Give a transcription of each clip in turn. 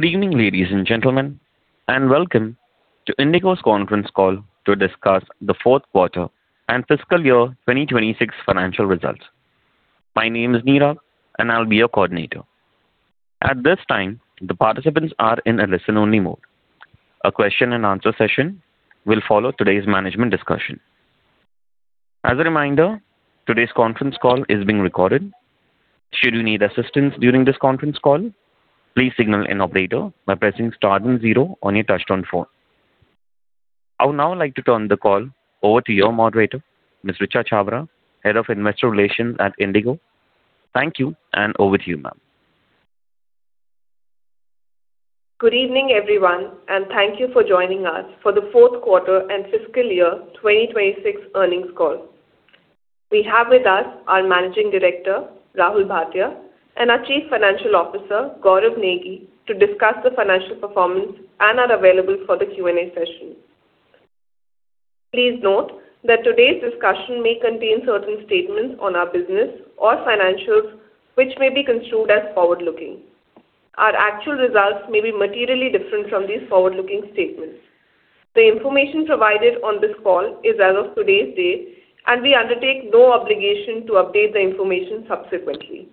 Good evening, ladies and gentlemen, and welcome to IndiGo's conference call to discuss the fourth quarter and fiscal year 2026 financial results. My name is Neeraj, and I'll be your coordinator. At this time, the participants are in a listen-only mode. A question and answer session will follow today's management discussion. As a reminder, today's conference call is being recorded. Should you need assistance during this conference call, please signal an operator by pressing star then zero on your touchtone phone. I would now like to turn the call over to your moderator, Ms. Richa Chhabra, Head of Investor Relations at IndiGo. Thank you, and over to you, ma'am. Good evening, everyone, and thank you for joining us for the fourth quarter and FY 2026 earnings call. We have with us our Managing Director, Rahul Bhatia, and our Chief Financial Officer, Gaurav Negi, to discuss the financial performance and are available for the Q&A session. Please note that today's discussion may contain certain statements on our business or financials which may be construed as forward-looking. Our actual results may be materially different from these forward-looking statements. The information provided on this call is as of today's date, and we undertake no obligation to update the information subsequently.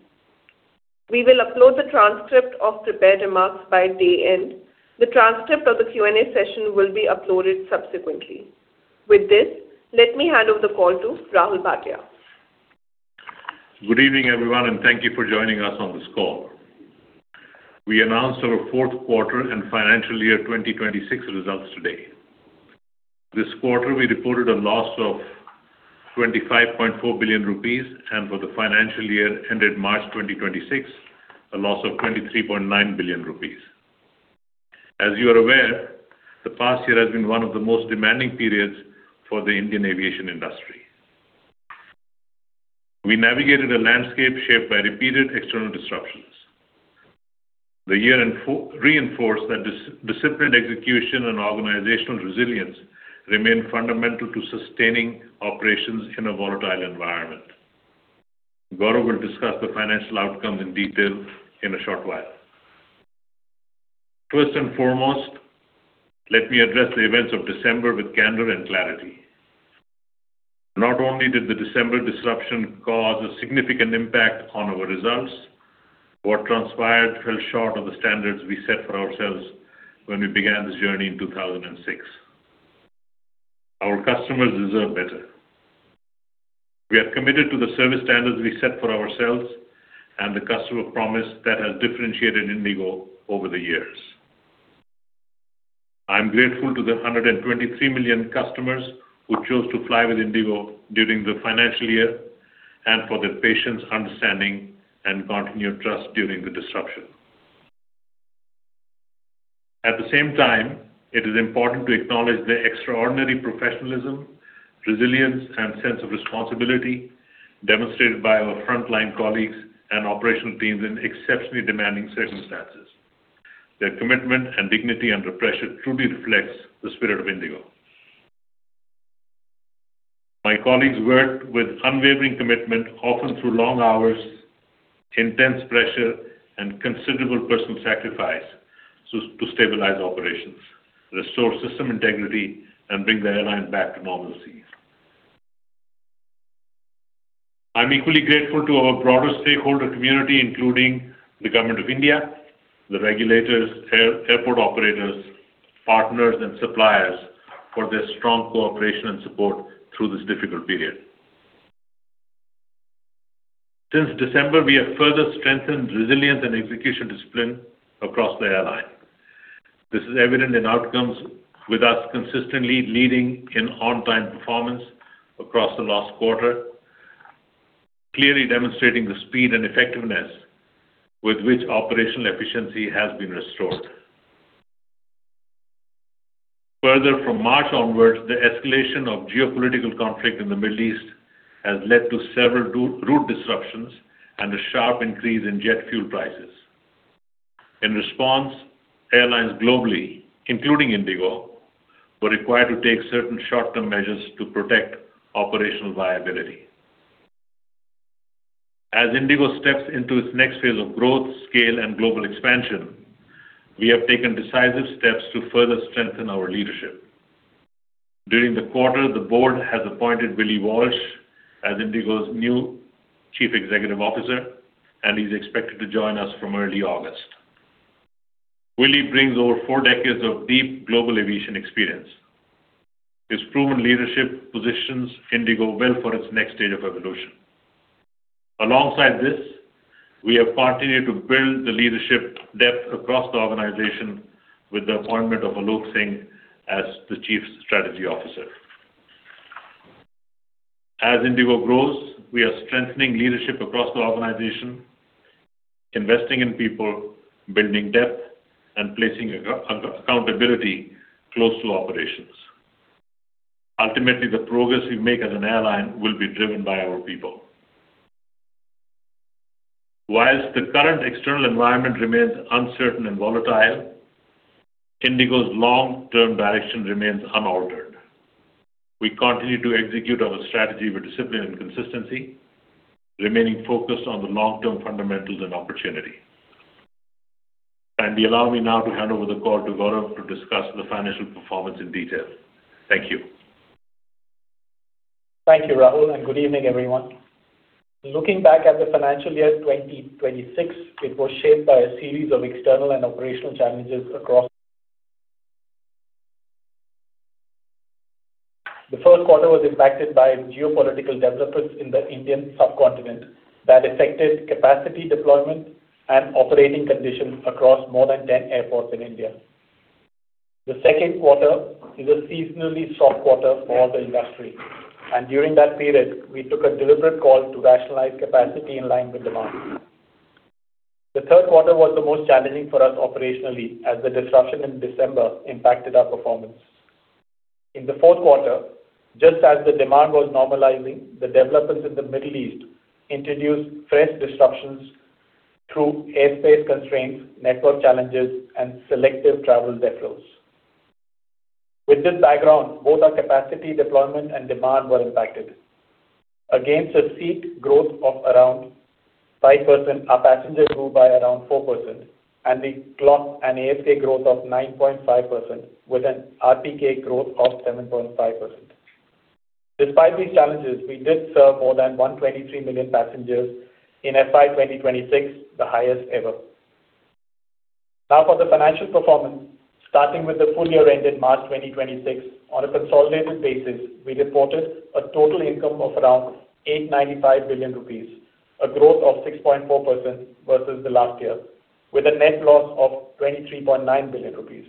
We will upload the transcript of prepared remarks by day end. The transcript of the Q&A session will be uploaded subsequently. With this, let me hand over the call to Rahul Bhatia. Good evening, everyone, and thank you for joining us on this call. We announced our fourth quarter and financial year 2026 results today. This quarter, we reported a loss of 25.4 billion rupees, and for the financial year ended March 2026, a loss of 23.9 billion rupees. As you are aware, the past year has been one of the most demanding periods for the Indian aviation industry. We navigated a landscape shaped by repeated external disruptions. The year reinforced that disciplined execution and organizational resilience remain fundamental to sustaining operations in a volatile environment. Gaurav will discuss the financial outcomes in detail in a short while. First and foremost, let me address the events of December with candor and clarity. Not only did the December disruption cause a significant impact on our results, what transpired fell short of the standards we set for ourselves when we began this journey in 2006. Our customers deserve better. We are committed to the service standards we set for ourselves and the customer promise that has differentiated IndiGo over the years. I am grateful to the 123 million customers who chose to fly with IndiGo during the financial year and for their patience, understanding, and continued trust during the disruption. At the same time, it is important to acknowledge the extraordinary professionalism, resilience, and sense of responsibility demonstrated by our frontline colleagues and operational teams in exceptionally demanding circumstances. Their commitment and dignity under pressure truly reflects the spirit of IndiGo. My colleagues worked with unwavering commitment, often through long hours, intense pressure, and considerable personal sacrifice to stabilize operations, restore system integrity, and bring the airline back to normalcy. I'm equally grateful to our broader stakeholder community, including the Government of India, the regulators, airport operators, partners, and suppliers for their strong cooperation and support through this difficult period. Since December, we have further strengthened resilience and execution discipline across the airline. This is evident in outcomes with us consistently leading in on-time performance across the last quarter, clearly demonstrating the speed and effectiveness with which operational efficiency has been restored. Further, from March onwards, the escalation of geopolitical conflict in the Middle East has led to several route disruptions and a sharp increase in jet fuel prices. In response, airlines globally, including IndiGo, were required to take certain short-term measures to protect operational viability. As IndiGo steps into its next phase of growth, scale, and global expansion, we have taken decisive steps to further strengthen our leadership. During the quarter, the board has appointed Willie Walsh as IndiGo's new Chief Executive Officer, and he's expected to join us from early August. Willie brings over four decades of deep global aviation experience. His proven leadership positions IndiGo well for its next stage of evolution. Alongside this, we have continued to build the leadership depth across the organization with the appointment of Aloke Singh as the Chief Strategy Officer. As IndiGo grows, we are strengthening leadership across the organization, investing in people, building depth, and placing accountability close to operations. Ultimately, the progress we make as an airline will be driven by our people. Whilst the current external environment remains uncertain and volatile, IndiGo's long-term direction remains unaltered. We continue to execute our strategy with discipline and consistency, remaining focused on the long-term fundamentals and opportunity. Allow me now to hand over the call to Gaurav to discuss the financial performance in detail. Thank you. Thank you, Rahul, and good evening, everyone. Looking back at the financial year 2026, it was shaped by a series of external and operational challenges across. The first quarter was impacted by geopolitical developments in the Indian subcontinent that affected capacity deployment and operating conditions across more than 10 airports in India. The second quarter is a seasonally soft quarter for the industry, and during that period, we took a deliberate call to rationalize capacity in line with demand. The third quarter was the most challenging for us operationally, as the disruption in December impacted our performance. In the fourth quarter, just as the demand was normalizing, the developments in the Middle East introduced fresh disruptions through airspace constraints, network challenges, and selective travel depth rows. With this background, both our capacity deployment and demand were impacted. Against a seat growth of 5%, our passengers grew by 4%, and we clocked an ASK growth of 9.5% with an RPK growth of 7.5%. Despite these challenges, we did serve more than 123 million passengers in FY 2026, the highest ever. Now for the financial performance. Starting with the full year ended March 2026, on a consolidated basis, we reported a total income of 895 billion rupees, a growth of 6.4% versus the last year, with a net loss of 23.9 billion rupees.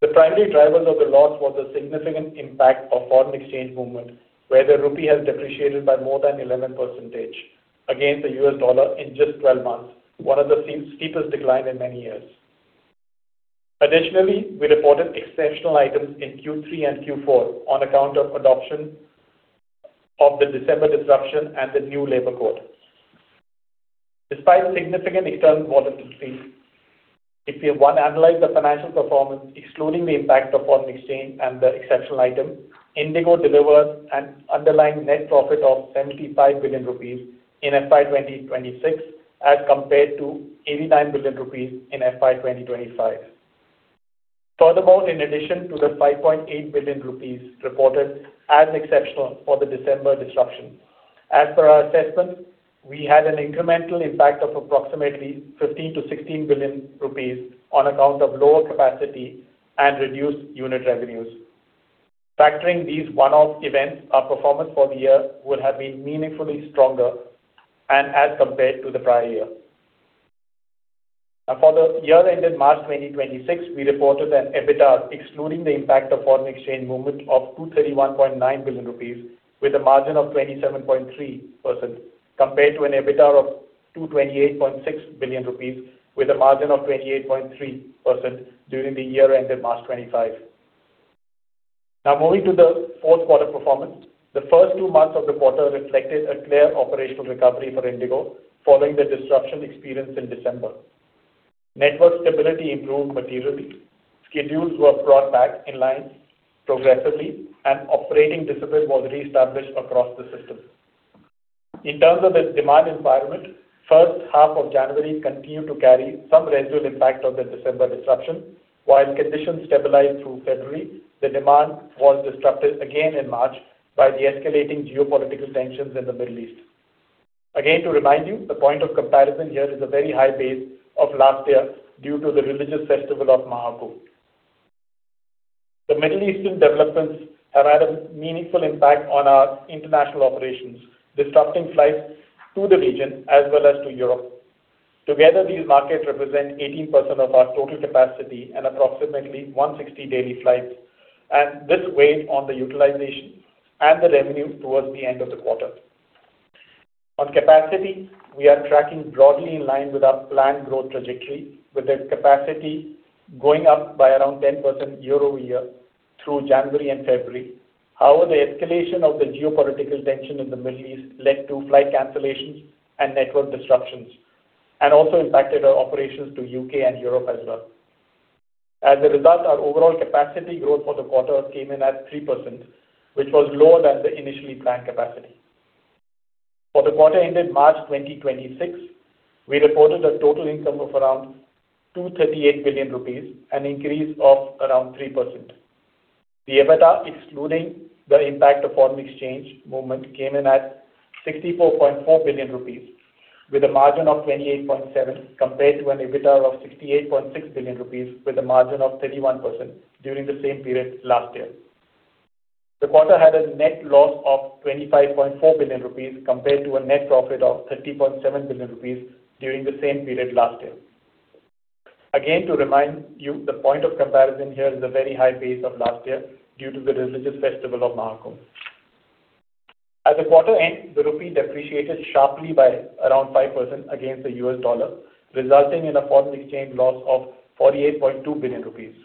The primary drivers of the loss was the significant impact of foreign exchange movement, where the rupee has depreciated by more than 11% against the U.S. dollar in just 12 months, one of the steepest decline in many years. Additionally, we reported exceptional items in Q3 and Q4 on account of adoption of the December disruption and the new labor code. Despite significant external volatility, if we want to analyze the financial performance excluding the impact of foreign exchange and the exceptional item, IndiGo delivered an underlying net profit of 75 billion rupees in FY 2026 as compared to 89 billion rupees in FY 2025. Furthermore, in addition to the 5.8 billion rupees reported as exceptional for the December disruption, as per our assessment, we had an incremental impact of approximately 15 billion-16 billion rupees on account of lower capacity and reduced unit revenues. Factoring these one-off events, our performance for the year would have been meaningfully stronger as compared to the prior year. For the year ended March 2026, we reported an EBITDA excluding the impact of foreign exchange movement of 231.9 billion rupees with a margin of 27.3%, compared to an EBITDA of 228.6 billion rupees with a margin of 28.3% during the year ended March 25. Moving to the fourth quarter performance. The first two months of the quarter reflected a clear operational recovery for IndiGo following the disruption experienced in December. Network stability improved materially. Schedules were brought back in line progressively, and operating discipline was reestablished across the system. In terms of the demand environment, first half of January continued to carry some residual impact of the December disruption. While conditions stabilized through February, the demand was disrupted again in March by the escalating geopolitical tensions in the Middle East. To remind you, the point of comparison here is a very high base of last year due to the religious festival of Maha Kumbh. The Middle Eastern developments have had a meaningful impact on our international operations, disrupting flights to the region as well as to Europe. Together, these markets represent 18% of our total capacity and approximately 160 daily flights, this weighed on the utilization and the revenue towards the end of the quarter. On capacity, we are tracking broadly in line with our planned growth trajectory, with the capacity going up by around 10% year-over-year through January and February. The escalation of the geopolitical tension in the Middle East led to flight cancellations and network disruptions, and also impacted our operations to U.K. and Europe as well. As a result, our overall capacity growth for the quarter came in at 3%, which was lower than the initially planned capacity. For the quarter ended March 2026, we reported a total income of around 238 billion rupees, an increase of around 3%. The EBITDA, excluding the impact of foreign exchange movement, came in at 64.4 billion rupees with a margin of 28.7%, compared to an EBITDA of 68.6 billion rupees with a margin of 31% during the same period last year. The quarter had a net loss of 25.4 billion rupees compared to a net profit of 30.7 billion rupees during the same period last year. Again, to remind you, the point of comparison here is the very high base of last year due to the religious festival of Maha Kumbh. At the quarter end, the rupee depreciated sharply by around 5% against the U.S. dollar, resulting in a foreign exchange loss of 48.2 billion rupees.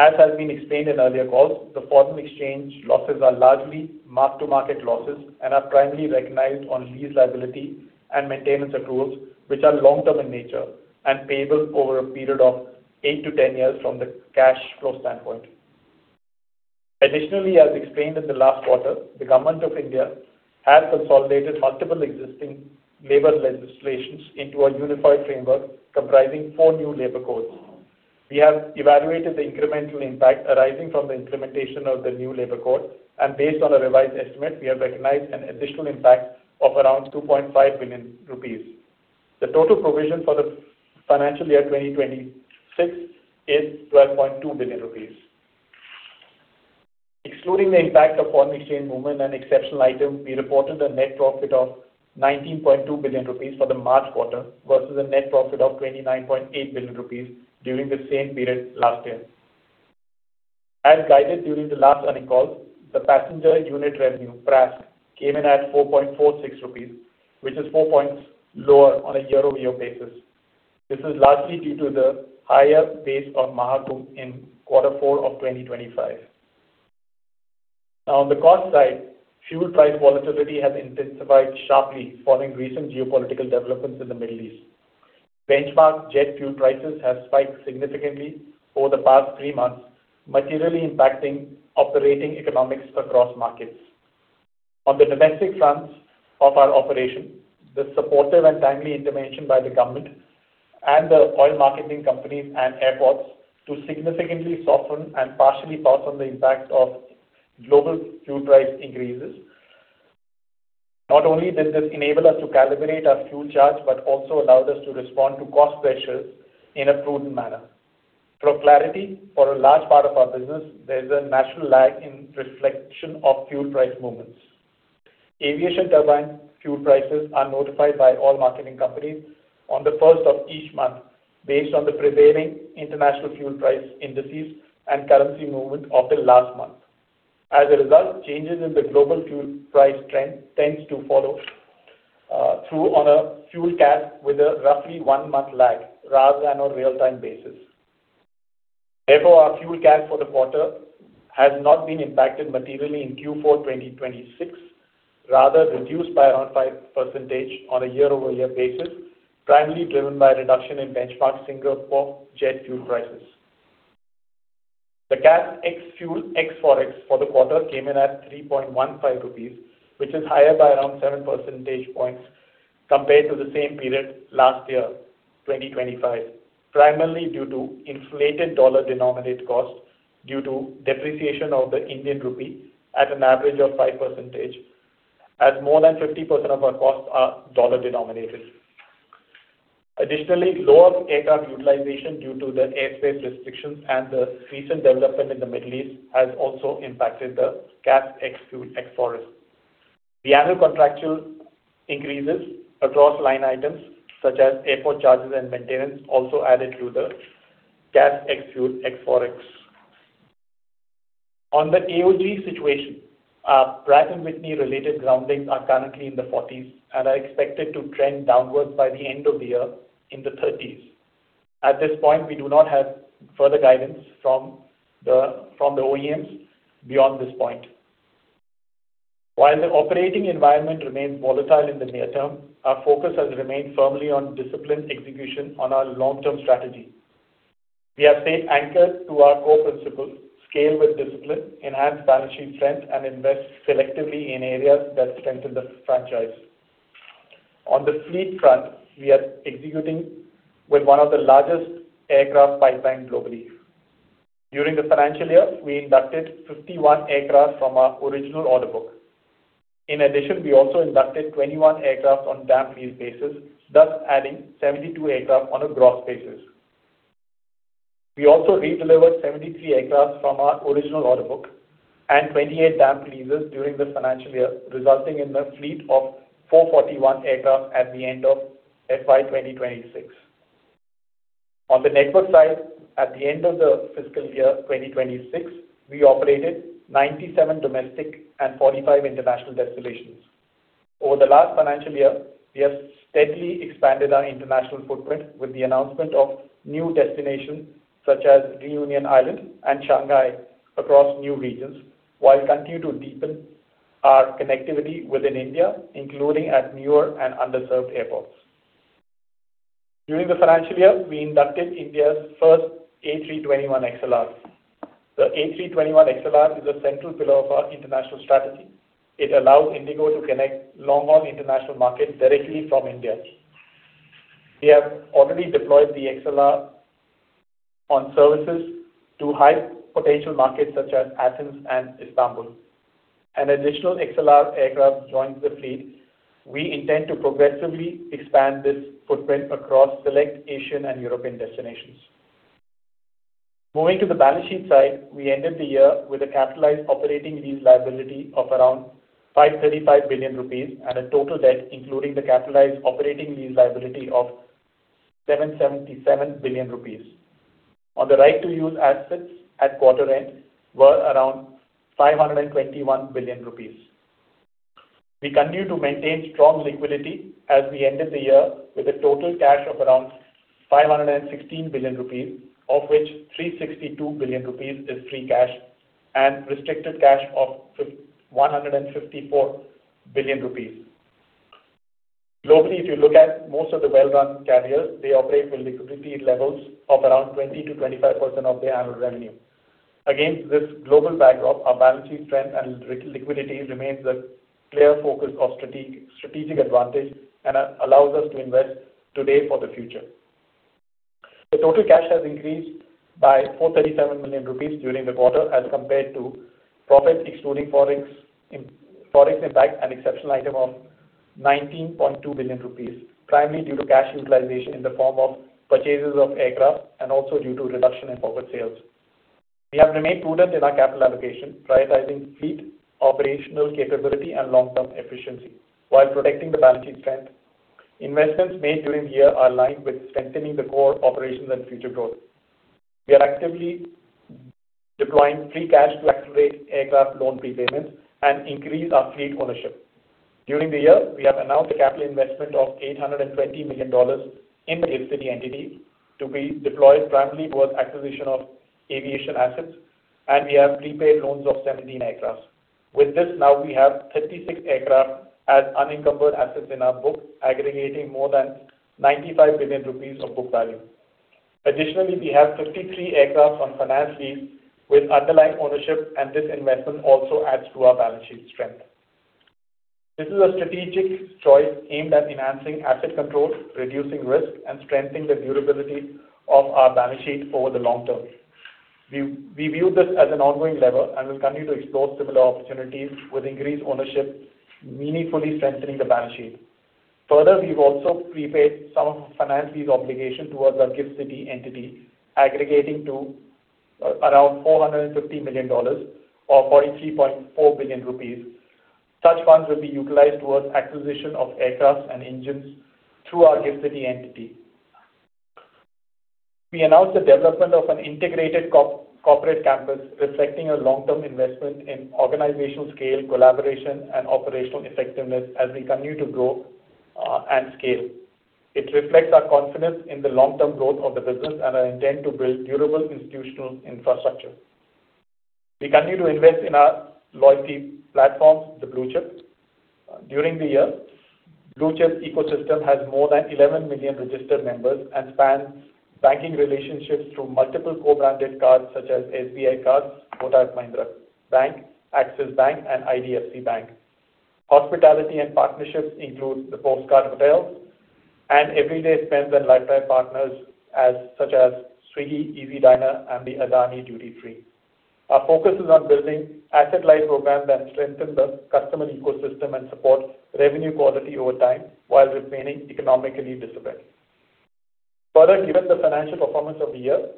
As has been explained in earlier calls, the foreign exchange losses are largely mark-to-market losses and are primarily recognized on lease liability and maintenance accruals, which are long-term in nature and payable over a period of 8-10 years from the cash flow standpoint. Additionally, as explained in the last quarter, the Government of India has consolidated multiple existing labor legislations into a unified framework comprising four new labor codes. We have evaluated the incremental impact arising from the implementation of the new labor code, and based on a revised estimate, we have recognized an additional impact of around 2.5 billion rupees. The total provision for FY 2026 is 12.2 billion rupees. Excluding the impact of foreign exchange movement and exceptional items, we reported a net profit of 19.2 billion rupees for the March quarter versus a net profit of 29.8 billion rupees during the same period last year. As guided during the last earning call, the passenger unit revenue, PRASK, came in at 4.46 rupees, which is four points lower on a year-over-year basis. This is largely due to the higher base of Maha Kumbh in quarter four of 2025. Now on the cost side, fuel price volatility has intensified sharply following recent geopolitical developments in the Middle East. Benchmark jet fuel prices have spiked significantly over the past three months, materially impacting operating economics across markets. On the domestic fronts of our operation, the supportive and timely intervention by the government and the oil marketing companies and airports to significantly soften and partially pass on the impact of global fuel price increases. Not only did this enable us to calibrate our fuel charge, but also allowed us to respond to cost pressures in a prudent manner. For clarity, for a large part of our business, there is a natural lag in reflection of fuel price movements. Aviation turbine fuel prices are notified by oil marketing companies on the first of each month, based on the prevailing international fuel price indices and currency movement of the last month. As a result, changes in the global fuel price trend tends to follow through on a fuel CASK with a roughly one-month lag rather than a real-time basis. Our fuel CASK for the quarter has not been impacted materially in Q4 2026, rather reduced by around 5% on a year-over-year basis, primarily driven by a reduction in benchmark Singapore jet fuel prices. The CASK ex fuel, ex-Forex for the quarter came in at 3.15 rupees, which is higher by around 7 percentage points compared to the same period last year, 2025, primarily due to inflated dollar-denominated costs due to depreciation of the Indian rupee at an average of 5%, as more than 50% of our costs are dollar-denominated. Lower aircraft utilization due to the airspace restrictions and the recent development in the Middle East has also impacted the CASK ex fuel, ex-Forex. The annual contractual increases across line items such as airport charges and maintenance also added to the CASK ex fuel, ex-Forex. On the AOG situation, our Pratt & Whitney related groundings are currently in the 40s and are expected to trend downwards by the end of the year in the 30s. At this point, we do not have further guidance from the OEMs beyond this point. While the operating environment remains volatile in the near term, our focus has remained firmly on disciplined execution on our long-term strategy. We have stayed anchored to our core principles, scale with discipline, enhance balance sheet strength, and invest selectively in areas that strengthen the franchise. On the fleet front, we are executing with one of the largest aircraft pipelines globally. During the financial year, we inducted 51 aircraft from our original order book. In addition, we also inducted 21 aircraft on damp lease basis, thus adding 72 aircraft on a gross basis. We also redelivered 73 aircraft from our original order book and 28 damp leases during the financial year, resulting in a fleet of 441 aircraft at the end of FY 2026. On the network side, at the end of the fiscal year 2026, we operated 97 domestic and 45 international destinations. Over the last financial year, we have steadily expanded our international footprint with the announcement of new destinations such as Reunion Island and Shanghai across new regions, while continue to deepen our connectivity within India, including at newer and underserved airports. During the financial year, we inducted India's first A321XLR. The A321XLR is a central pillar of our international strategy. It allows IndiGo to connect long-haul international markets directly from India. We have already deployed the XLR on services to high potential markets such as Athens and Istanbul. An additional XLR aircraft joined the fleet. We intend to progressively expand this footprint across select Asian and European destinations. Moving to the balance sheet side, we ended the year with a capitalized operating lease liability of around 535 billion rupees and a total debt including the capitalized operating lease liability of 777 billion rupees. On the right-to-use assets at quarter-end were around 521 billion rupees. We continue to maintain strong liquidity as we ended the year with a total cash of around 516 billion rupees, of which 362 billion rupees is free cash and restricted cash of 154 billion rupees. Globally, if you look at most of the well-run carriers, they operate with liquidity levels of around 20%-25% of their annual revenue. Against this global backdrop, our balance sheet strength and liquidity remains a clear focus of strategic advantage and allows us to invest today for the future. The total cash has increased by 437 million rupees during the quarter as compared to profits excluding Forex impact and exceptional item of 19.2 billion rupees, primarily due to cash utilization in the form of purchases of aircraft and also due to reduction in forward sales. We have remained prudent in our capital allocation, prioritizing fleet, operational capability, and long-term efficiency while protecting the balance sheet strength. Investments made during the year are aligned with strengthening the core operations and future growth. We are actively deploying free cash to accelerate aircraft loan prepayments and increase our fleet ownership. During the year, we have announced a capital investment of INR 820 million in the GIFT City entity to be deployed primarily towards acquisition of aviation assets, and we have prepaid loans of 17 aircrafts. With this, now we have 36 aircraft as unencumbered assets in our book, aggregating more than 95 billion rupees of book value. Additionally, we have 53 aircraft on finance lease with underlying ownership, and this investment also adds to our balance sheet strength. This is a strategic choice aimed at enhancing asset control, reducing risk, and strengthening the durability of our balance sheet over the long term. We view this as an ongoing lever and will continue to explore similar opportunities with increased ownership, meaningfully strengthening the balance sheet. We've also prepaid some of the finance lease obligation towards our GIFT City entity aggregating to around $450 million or 43.4 billion rupees. Such funds will be utilized towards acquisition of aircraft and engines through our GIFT City entity. We announced the development of an integrated corporate campus reflecting a long-term investment in organizational scale, collaboration, and operational effectiveness as we continue to grow and scale. It reflects our confidence in the long-term growth of the business and our intent to build durable institutional infrastructure. We continue to invest in our loyalty platforms, the BluChip. During the year, BluChip ecosystem has more than 11 million registered members and spans banking relationships through multiple co-branded cards such as SBI Card, Kotak Mahindra Bank, Axis Bank, and IDFC FIRST Bank. Hospitality and partnerships include The Postcard Hotel and everyday spend and lifetime partners such as Swiggy, EazyDiner, and the Adani Duty Free. Our focus is on building asset-light programs that strengthen the customer ecosystem and support revenue quality over time while remaining economically disciplined. Given the financial performance of the year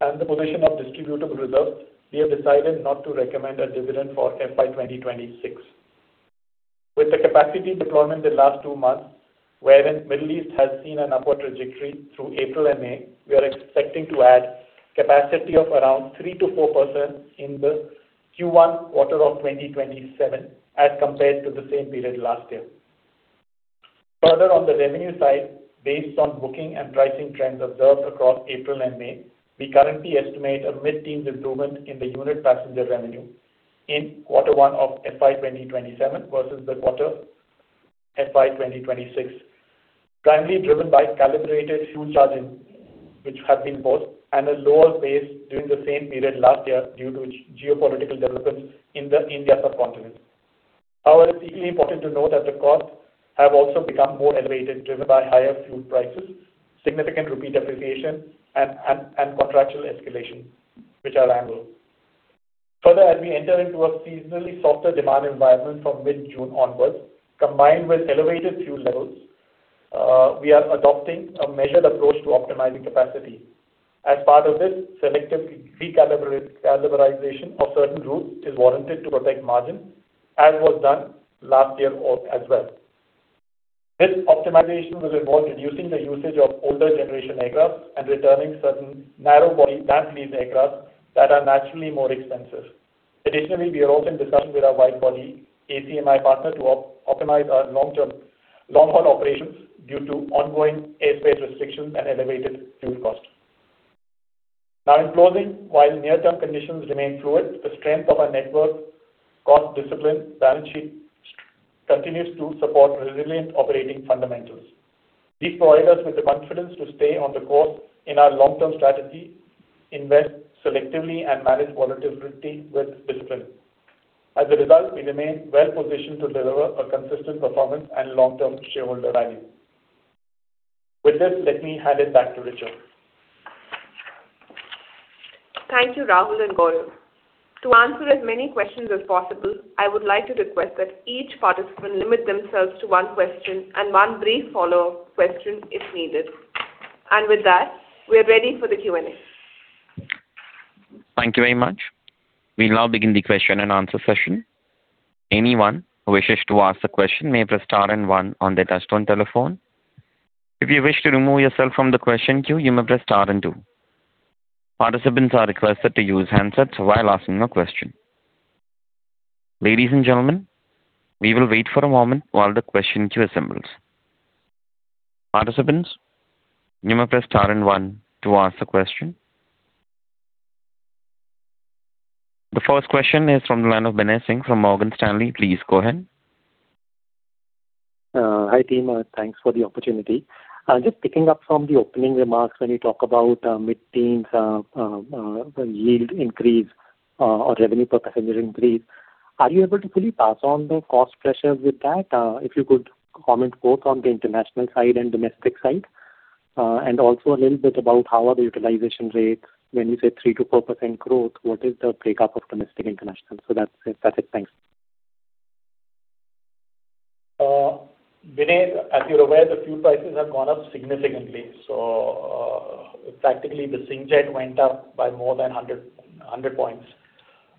and the position of distributable reserves, we have decided not to recommend a dividend for FY 2026. With the capacity deployment the last two months, wherein Middle East has seen an upward trajectory through April and May, we are expecting to add capacity of around 3%-4% in Q1 2027 as compared to the same period last year. On the revenue side, based on booking and pricing trends observed across April and May, we currently estimate a mid-teen improvement in the unit passenger revenue in quarter one of FY 2027 versus the quarter FY 2026, primarily driven by calibrated fuel surcharges, which have been paused, and a lower base during the same period last year due to geopolitical developments in the Indian subcontinent. However, it's equally important to note that the costs have also become more elevated, driven by higher fuel prices, significant rupee depreciation, and contractual escalations, which are annual. Further, as we enter into a seasonally softer demand environment from mid-June onwards, combined with elevated fuel levels, we are adopting a measured approach to optimizing capacity. As part of this, selective recalibration of certain routes is warranted to protect margin, as was done last year as well. This optimization will involve reducing the usage of older generation aircraft and returning certain narrow-body lease aircraft that are naturally more expensive. Additionally, we are also in discussions with our wide-body ACMI partner to optimize our long-haul operations due to ongoing airspace restrictions and elevated fuel costs. Now, in closing, while near-term conditions remain fluid, the strength of our network cost discipline balance sheet continues to support resilient operating fundamentals. This provides us with the confidence to stay on the course in our long-term strategy, invest selectively, and manage volatility with discipline. As a result, we remain well-positioned to deliver a consistent performance and long-term shareholder value. With this, let me hand it back to Richa. Thank you, Rahul and Gaurav. To answer as many questions as possible, I would like to request that each participant limit themselves to one question and one brief follow-up question if needed. With that, we are ready for the Q&A. Thank you very much. We now begin the question and answer session. Participants are requested to use handsets while asking a question. The first question is from the line of Binay Singh from Morgan Stanley. Please go ahead. Hi, team. Thanks for the opportunity. Just picking up from the opening remarks when you talk about mid-teens yield increase or revenue per passenger increase, are you able to fully pass on the cost pressures with that? If you could comment both on the international side and domestic side, and also a little bit about how are the utilization rates. When you say 3%-4% growth, what is the breakup of domestic, international? That's it. Thanks. Binay, as you're aware, the fuel prices have gone up significantly. Practically, the Singapore jet went up by more than 100 points.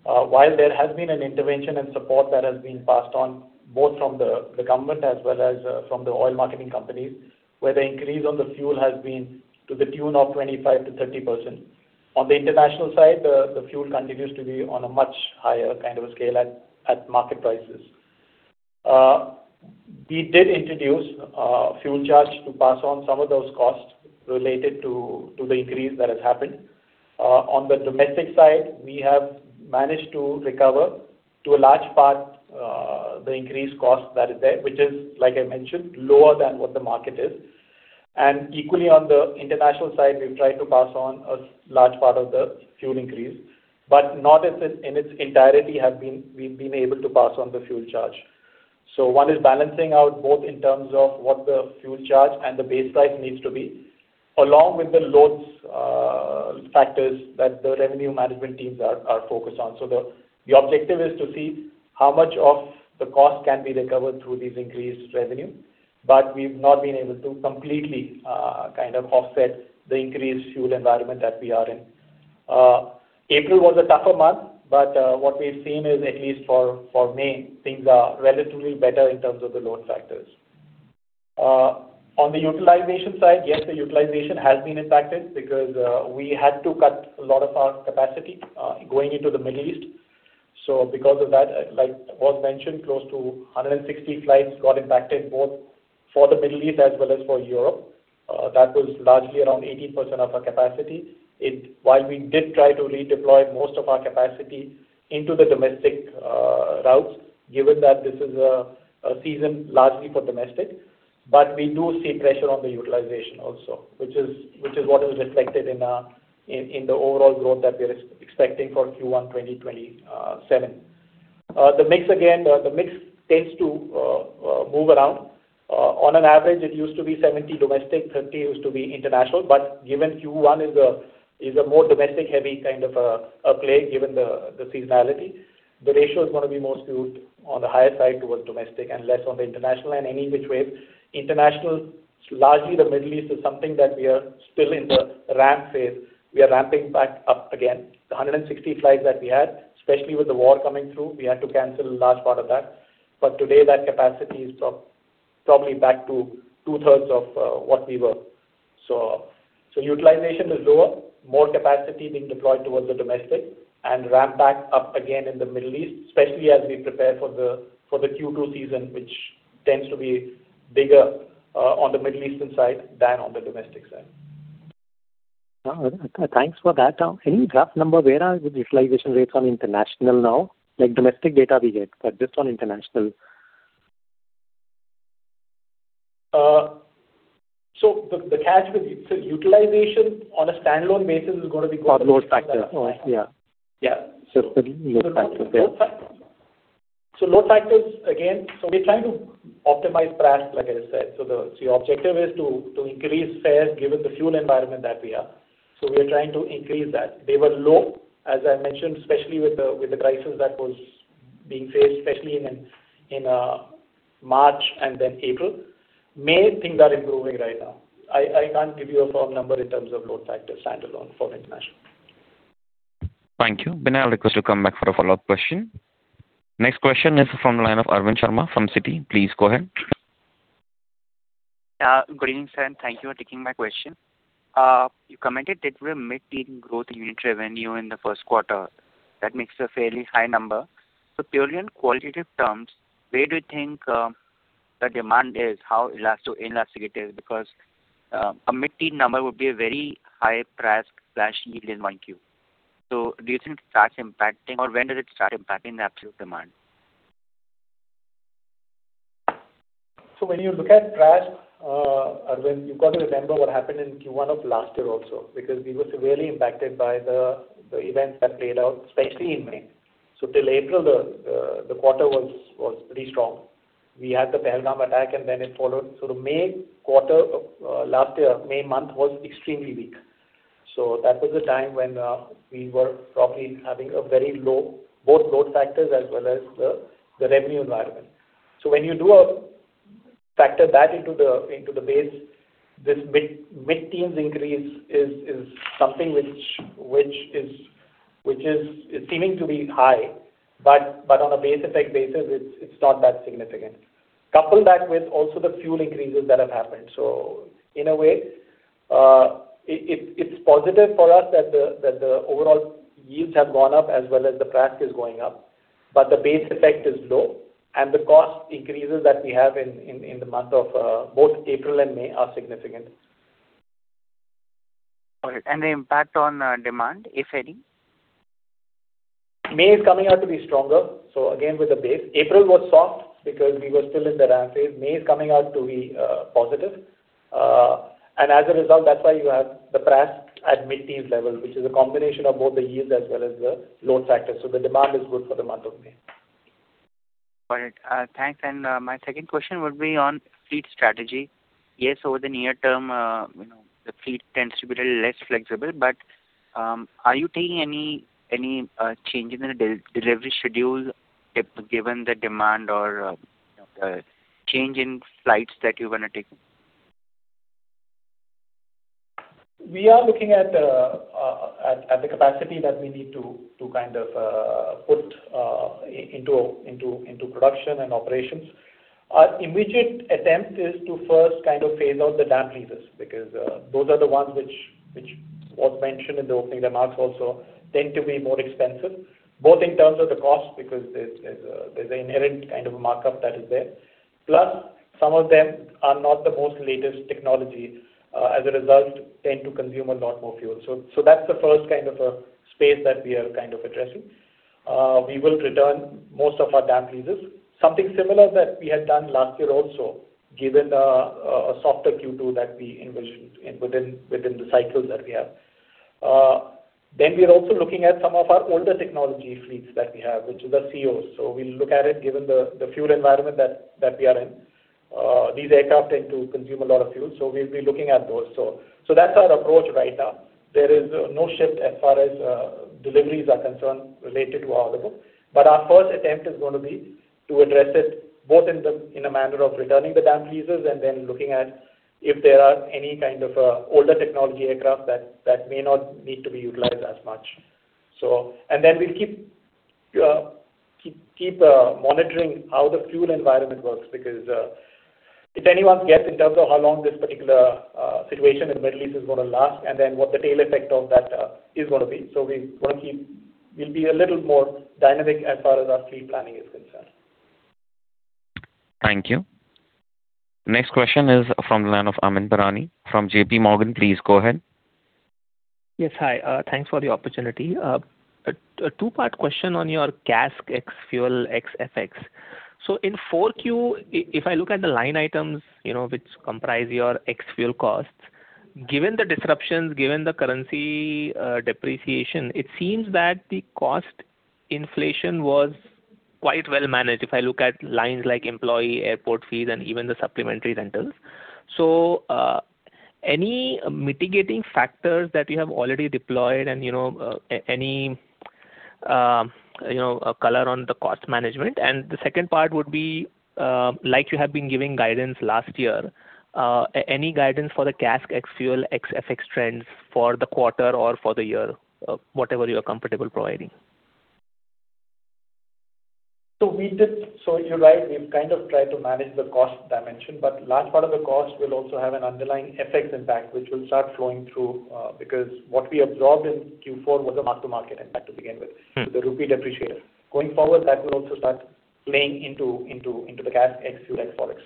While there has been an intervention and support that has been passed on, both from the government as well as from the oil marketing companies, where the increase on the fuel has been to the tune of 25%-30%. On the international side, the fuel continues to be on a much higher scale at market prices. We did introduce a fuel charge to pass on some of those costs related to the increase that has happened. On the domestic side, we have managed to recover, to a large part, the increased cost that is there, which is, like I mentioned, lower than what the market is. Equally, on the international side, we've tried to pass on a large part of the fuel increase, but not in its entirety have we been able to pass on the fuel charge. One is balancing out both in terms of what the fuel charge and the base price needs to be, along with the loads factors that the revenue management teams are focused on. The objective is to see how much of the cost can be recovered through these increased revenue. We've not been able to completely offset the increased fuel environment that we are in. April was a tougher month, but what we've seen is, at least for May, things are relatively better in terms of the load factors. On the utilization side, yes, the utilization has been impacted because we had to cut a lot of our capacity going into the Middle East. Because of that, like it was mentioned, close to 160 flights got impacted, both for the Middle East as well as for Europe. That was largely around 18% of our capacity. While we did try to redeploy most of our capacity into the domestic routes, given that this is a season largely for domestic, we do see pressure on the utilization also. Which is what is reflected in the overall growth that we're expecting for Q1 2027. The mix again tends to move around. On an average, it used to be 70 domestic, 30 used to be international, given Q1 is a more domestic-heavy kind of a play, given the seasonality, the ratio is going to be more skewed on the higher side towards domestic and less on the international. Any which way, international, largely the Middle East is something that we are still in the ramp phase. We are ramping back up again. The 160 flights that we had, especially with the war coming through, we had to cancel a large part of that. Today that capacity is probably back to two-thirds of what we were. Utilization is lower, more capacity being deployed towards the domestic, and ramp back up again in the Middle East, especially as we prepare for the Q2 season, which tends to be bigger on the Middle Eastern side than on the domestic side. Thanks for that. Any rough number, where are the utilization rates on international now? Domestic data we get, but just on international. The catch with utilization on a standalone basis is going to be. Load factor. Yeah. Just the load factor there. Load factors again, we're trying to optimize PRASK, like I said. The objective is to increase fares given the fuel environment that we are. We are trying to increase that. They were low, as I mentioned, especially with the crisis that was being faced, especially in March and then April. May. Things are improving right now. I can't give you a firm number in terms of load factors standalone for international. Thank you. Binay, I'll request you to come back for a follow-up question. Next question is from the line of Arvind Sharma from Citi. Please go ahead. Good evening, sir, and thank you for taking my question. You commented that we're mid-teen growth in unit revenue in the first quarter. That makes a fairly high number. Purely on qualitative terms, where do you think the demand is? How elastic, inelastic it is? A mid-teen number would be a very high PRASK slash yield in 1Q. Do you think it starts impacting, or when does it start impacting the absolute demand? When you look at PRASK, Arvind, you've got to remember what happened in Q1 of last year also, because we were severely impacted by the events that played out, especially in May. Till April, the quarter was pretty strong. We had the Pahalgam attack and then it followed. The May quarter of last year, May month, was extremely weak. That was the time when we were probably having a very low both load factors as well as the revenue environment. When you do factor that into the base, this mid-teens increase is something which is seeming to be high, but on a base effect basis, it's not that significant. Couple that with also the fuel increases that have happened. In a way, it's positive for us that the overall yields have gone up as well as the PRASK is going up, but the base effect is low and the cost increases that we have in the month of both April and May are significant. Got it. The impact on demand, if any? May is coming out to be stronger. Again, with the base. April was soft because we were still in the ramp phase. May is coming out to be positive. As a result, that's why you have the PRASK at mid-teens level, which is a combination of both the yield as well as the load factor. The demand is good for the month of May. Got it. Thanks. My second question would be on fleet strategy. Yes, over the near term, the fleet tends to be a little less flexible. Are you taking any changes in the delivery schedule given the demand or the change in flights that you're going to take? We are looking at the capacity that we need to put into production and operations. Our immediate attempt is to first phase out the damp leases, because those are the ones which was mentioned in the opening remarks also, tend to be more expensive, both in terms of the cost because there's an inherent kind of markup that is there. Plus, some of them are not the most latest technology. As a result, tend to consume a lot more fuel. That's the first space that we are addressing. We will return most of our damp leases. Something similar that we had done last year also, given a softer Q2 that we envisioned within the cycles that we have. We are also looking at some of our older technology fleets that we have, which is the ceo. we'll look at it given the fuel environment that we are in. These aircraft tend to consume a lot of fuel, so we'll be looking at those. that's our approach right now. There is no shift as far as deliveries are concerned related to our order book. our first attempt is going to be to address it both in a manner of returning the damp leases, and then looking at if there are any kind of older technology aircraft that may not need to be utilized as much. then we'll keep monitoring how the fuel environment works because it's anyone's guess in terms of how long this particular situation in the Middle East is going to last, and then what the tail effect of that is going to be. We'll be a little more dynamic as far as our fleet planning is concerned. Thank you. The next question is from the line of Aman Bharani from JPMorgan. Please go ahead. Yes. Hi. Thanks for the opportunity. A two-part question on your CASK ex-fuel, ex-FX. In 4Q, if I look at the line items, which comprise your ex-fuel costs. Given the disruptions, given the currency depreciation, it seems that the cost inflation was quite well managed if I look at lines like employee, airport fees, and even the supplementary rentals. Any mitigating factors that you have already deployed and any color on the cost management? The second part would be, like you have been giving guidance last year, any guidance for the CASK ex-fuel, ex-FX trends for the quarter or for the year? Whatever you're comfortable providing. You're right, we've tried to manage the cost dimension, but large part of the cost will also have an underlying FX impact, which will start flowing through, because what we absorbed in Q4 was a mark-to-market impact to begin with. The rupee depreciated. Going forward, that will also start playing into the CASK ex-fuel, ex-Forex.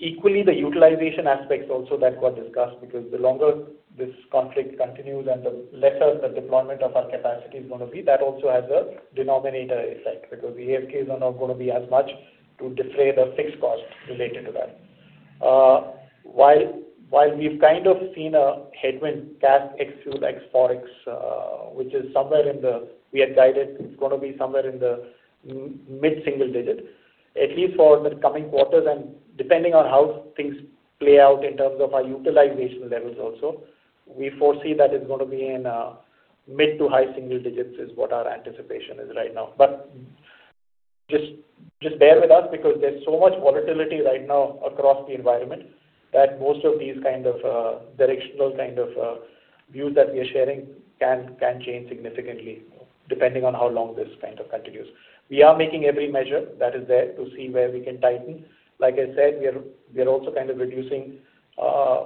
Equally, the utilization aspects also that got discussed because the longer this conflict continues and the lesser the deployment of our capacity is going to be, that also has a denominator effect because the ASKs are not going to be as much to defray the fixed costs related to that. While we've seen a headwind CASK ex-fuel, ex-Forex, we had guided it's going to be somewhere in the mid-single digit, at least for the coming quarters, and depending on how things play out in terms of our utilization levels also. We foresee that it's going to be in mid to high single digits, is what our anticipation is right now. just bear with us because there's so much volatility right now across the environment that most of these directional kind of views that we are sharing can change significantly depending on how long this continues. We are making every measure that is there to see where we can tighten. Like I said, we are also reducing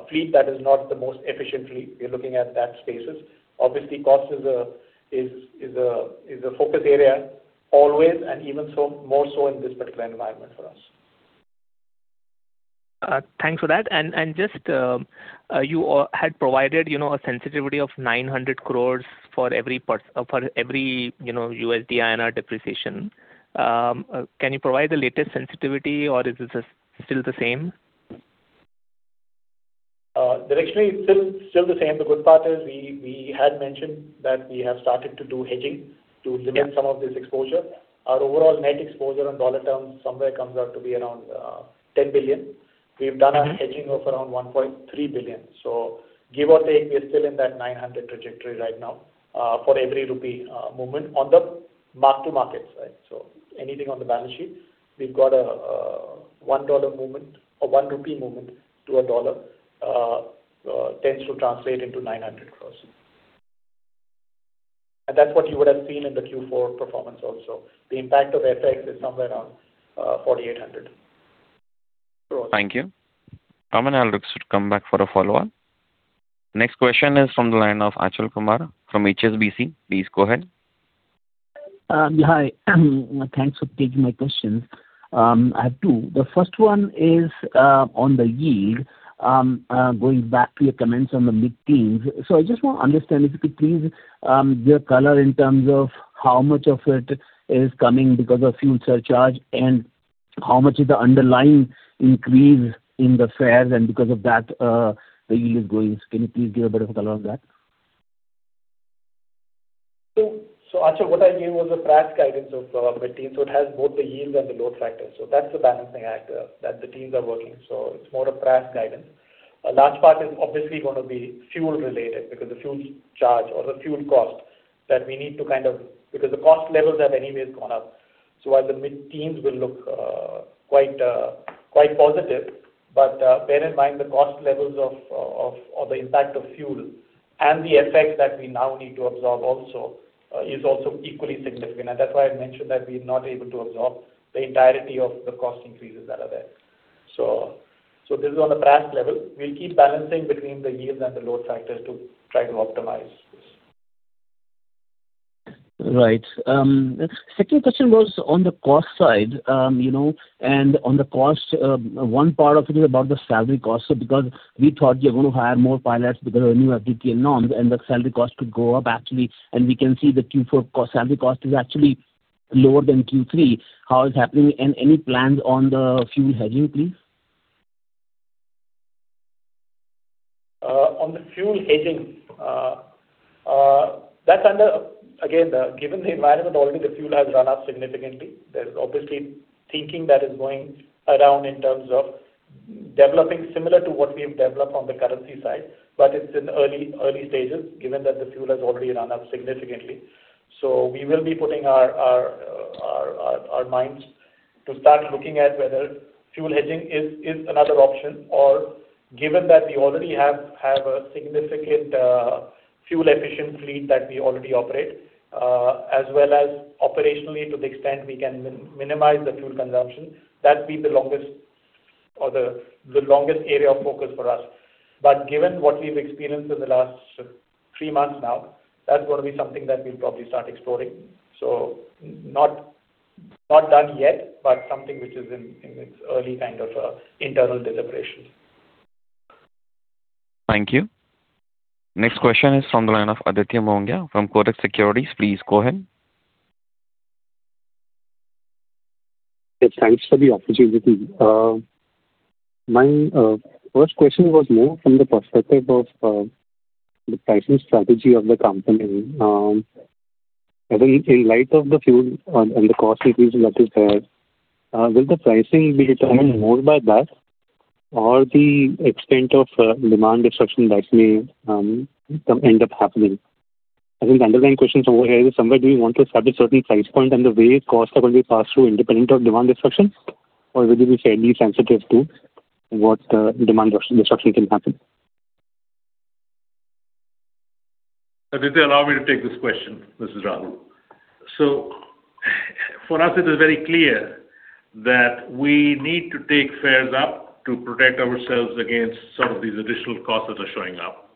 fleet that is not the most efficient fleet. We are looking at that spaces. Obviously, cost is a focus area always, and even more so in this particular environment for us. Thanks for that. Just, you had provided a sensitivity of 900 crore for every USD INR depreciation. Can you provide the latest sensitivity, or is it still the same? Directionally, it's still the same. The good part is we had mentioned that we have started to do hedging to limit some of this exposure. Our overall net exposure on dollar terms somewhere comes out to be around $10 billion. We've done a hedging of around $1.3 billion. Give or take, we are still in that 900 trajectory right now, for every rupee movement on the mark to market side. Anything on the balance sheet, we've got a $1 movement or 1 rupee movement to a dollar tends to translate into 900 crores. That's what you would have seen in the Q4 performance also. The impact of FX is somewhere around 4,800 crores. Thank you. Aman Bharani should come back for a follow-up. Next question is from the line of Achal Kumar from HSBC. Please go ahead. Hi. Thanks for taking my questions. I have two. The first one is on the yield, going back to your comments on the mid-teens. I just want to understand, if you could please give color in terms of how much of it is coming because of fuel surcharge, and how much is the underlying increase in the fares and because of that, the yield is going. Can you please give a bit of color on that? Achal, what I gave was a PRASK guidance of mid-teen, so it has both the yield and the load factor. that's the balancing act that the teams are working. it's more a PRASK guidance. A large part is obviously going to be fuel related because the fuel charge or the fuel cost, because the cost levels have anyways gone up. while the mid-teens will look quite positive, but bear in mind the cost levels of all the impact of fuel and the effect that we now need to absorb also is also equally significant. that's why I mentioned that we're not able to absorb the entirety of the cost increases that are there. this is on the PRASK level. We'll keep balancing between the yield and the load factors to try to optimize this. Right. Second question was on the cost side. On the cost, one part of it is about the salary cost, because we thought you're going to hire more pilots because of the new FDTL norms, and the salary cost could go up actually, and we can see the Q4 salary cost is actually lower than Q3. How it's happening, and any plans on the fuel hedging, please? On the fuel hedging, again, given the environment already, the fuel has run up significantly. There's obviously thinking that is going around in terms of developing similar to what we've developed on the currency side, but it's in early stages, given that the fuel has already run up significantly. We will be putting our minds to start looking at whether fuel hedging is another option or, given that we already have a significant fuel-efficient fleet that we already operate, as well as operationally to the extent we can minimize the fuel consumption, that'd be the longest area of focus for us. Given what we've experienced in the last three months now, that's going to be something that we'll probably start exploring. Not done yet, but something which is in its early internal deliberations. Thank you. Next question is from the line of Aditya Mongia from Kotak Securities. Please go ahead. Yes, thanks for the opportunity. My first question was more from the perspective of the pricing strategy of the company. In light of the fuel and the cost increase that is there, will the pricing be determined more by that or the extent of demand destruction that may end up happening? I think the underlying question somewhere here is somewhere do you want to set a certain price point and the way costs are going to be passed through independent of demand destruction, or will you be fairly sensitive to what demand destruction can happen? Aditya, allow me to take this question. This is Rahul. For us it is very clear that we need to take fares up to protect ourselves against some of these additional costs that are showing up.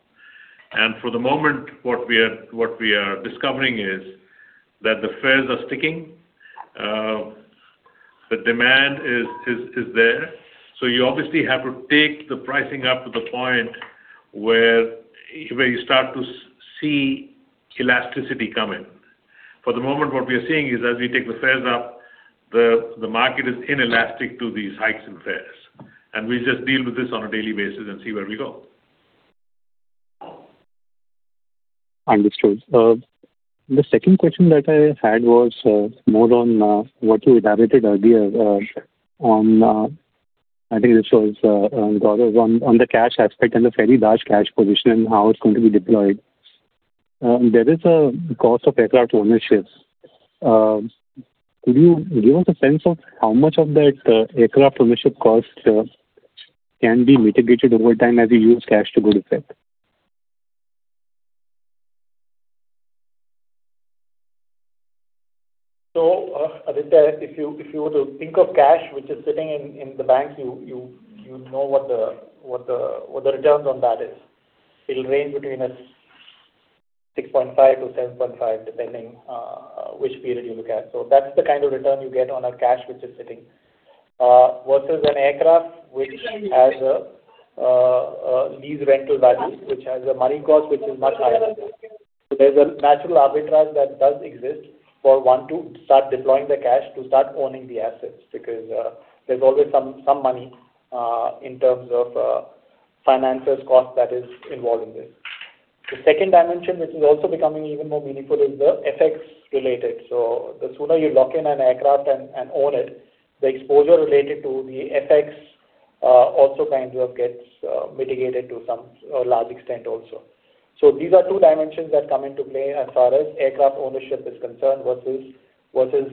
For the moment, what we are discovering is that the fares are sticking. The demand is there. You obviously have to take the pricing up to the point where you start to see elasticity come in. For the moment, what we are seeing is as we take the fares up, the market is inelastic to these hikes in fares. We just deal with this on a daily basis and see where we go. Understood. The second question that I had was more on what you elaborated earlier on, I think this was, Gaurav, on the cash aspect and the fairly large cash position and how it's going to be deployed. There is a cost of aircraft ownership. Could you give us a sense of how much of that aircraft ownership cost can be mitigated over time as you use cash to good effect? Aditya, if you were to think of cash which is sitting in the bank, you know what the return on that is. It'll range between 6.5-7.5, depending which period you look at. That's the kind of return you get on a cash which is sitting, versus an aircraft which has a lease rental value, which has a money cost which is much higher than that. There's a natural arbitrage that does exist for one to start deploying the cash to start owning the assets, because there's always some money in terms of financers' cost that is involved in this. The second dimension, which is also becoming even more meaningful is the effects related. The sooner you lock in an aircraft and own it, the exposure related to the effects also gets mitigated to some large extent also. These are two dimensions that come into play as far as aircraft ownership is concerned versus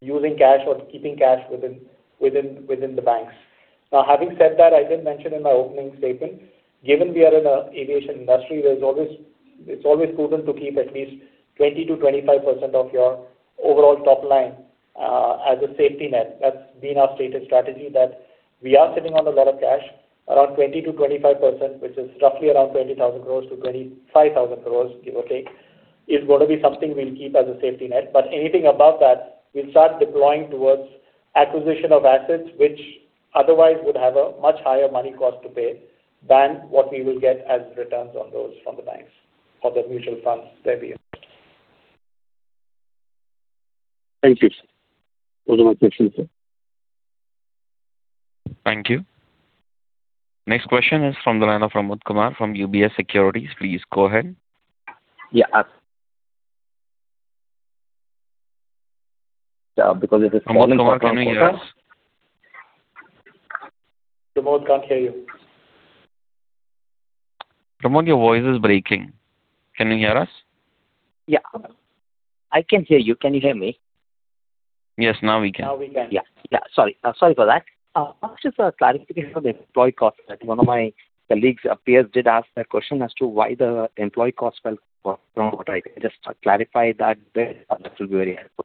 using cash or keeping cash within the banks. Now, having said that, I did mention in my opening statement, given we are in an aviation industry, it's always prudent to keep at least 20%-25% of your overall top line as a safety net. That's been our stated strategy that we are sitting on a lot of cash, around 20%-25%, which is roughly around CR 20,000 -CR 25,000, give or take, is going to be something we'll keep as a safety net. Anything above that, we'll start deploying towards acquisition of assets, which otherwise would have a much higher money cost to pay than what we will get as returns on those from the banks for the mutual funds there we invest. Thank you, sir. Those are my questions, sir. Thank you. Next question is from the line of Pramod Kumar from UBS Securities. Please go ahead. Yeah. Pramod Kumar, can you hear us? Pramod, can't hear you. Pramod, your voice is breaking. Can you hear us? Yeah. I can hear you. Can you hear me? Yes, now we can. Now we can. Yeah. Sorry for that. Just a clarification on the employee cost that one of my colleagues, Piers, did ask that question as to why the employee cost fell from quarter. I can just clarify that bit. That will be very helpful.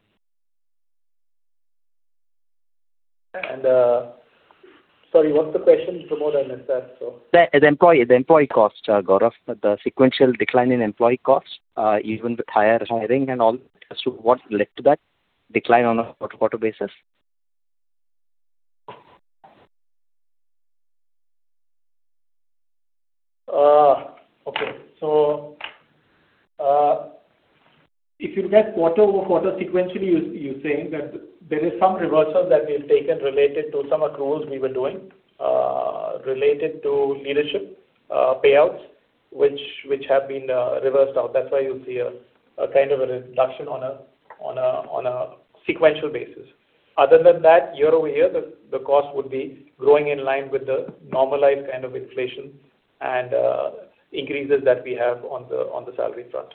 sorry, what's the question, Pramod? I missed that so. The employee cost, Gaurav. The sequential decline in employee costs, even with hiring and all, as to what led to that decline on a quarter-to-quarter basis. Okay. If you look at quarter-over-quarter sequentially, you're saying that there is some reversal that we've taken related to some accruals we were doing related to leadership payouts, which have been reversed out. That's why you'll see a kind of a reduction on a sequential basis. Other than that, year-over-year, the cost would be growing in line with the normalized kind of inflation and increases that we have on the salary front.